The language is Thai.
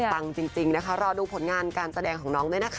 จริงนะคะรอดูผลงานการแสดงของน้องด้วยนะคะ